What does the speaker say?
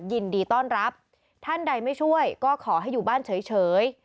ยินดีต้อนรับท่านใดไม่ช่วยก็ขอให้อยู่บ้านเฉย